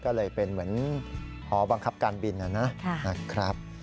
ก็เลยเป็นเหมือนหอบังคับการบินนะครับ